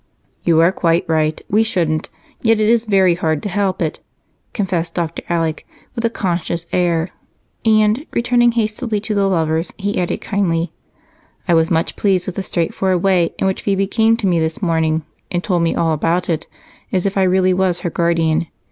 "You are quite right we shouldn't, yet it is very hard to help it," confessed Dr. Alec with a conscious air, and, returning hastily to the lovers, he added kindly: "I was much pleased with the straightforward way in which Phebe came to me this morning and told me all about it, as if I really was her guardian.